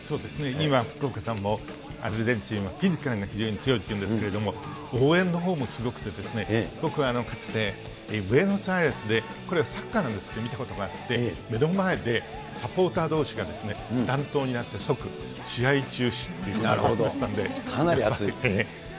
今、福岡さんもアルゼンチンはフィジカルが非常に強いというんですけれども、応援のほうもすごくて、僕はかつて、ブエノスアイレスでこれ、サッカーなんですけど、見たことがあって、目の前でサポーターどうしが乱闘になって、即、試合中止ということがありましたので、かなり熱い。